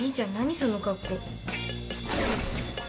その格好。